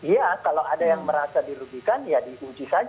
iya kalau ada yang merasa dirugikan ya diuji saja